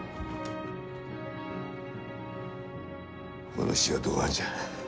お主はどうなんじゃ。